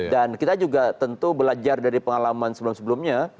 dan kita juga tentu belajar dari pengalaman sebelum sebelumnya